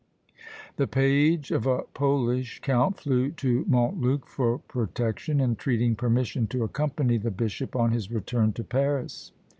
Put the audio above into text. The page of a Polish count flew to Montluc for protection, entreating permission to accompany the bishop on his return to Paris.